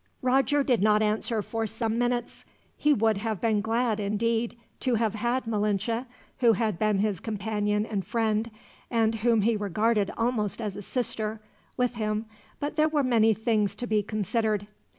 Roger did not answer for some minutes. He would have been glad, indeed, to have had Malinche who had been his companion and friend, and whom he regarded almost as a sister with him, but there were many things to be considered.